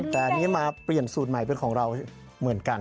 แต่อันนี้มาเปลี่ยนสูตรใหม่เป็นของเราเหมือนกัน